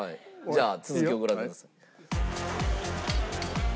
じゃあ続きをご覧ください。